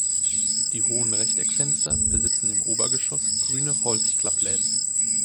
Die hohen Rechteckfenster besitzen im Obergeschoss grüne Holz-Klappläden.